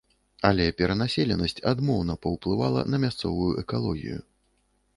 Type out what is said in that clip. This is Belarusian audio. Але перанаселенасць адмоўна паўплывала на мясцовую экалогію.